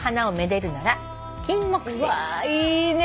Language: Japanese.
うわっいいね。